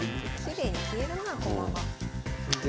きれいに消えるなあ駒が。で？